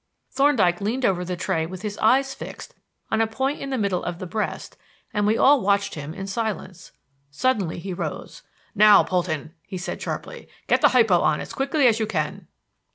Thorndyke leaned over the tray with his eyes fixed on a point in the middle of the breast and we all watched him in silence. Suddenly he rose. "Now, Polton," he said sharply; "get the hypo on as quickly as you can."